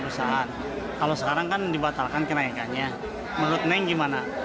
perusahaan kalau sekarang kan dibatalkan kenaikannya menurut neng gimana